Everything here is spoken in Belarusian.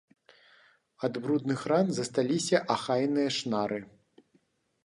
Ад брудных ран засталіся ахайныя шнары.